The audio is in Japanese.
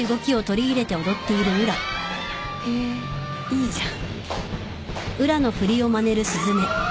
へいいじゃん。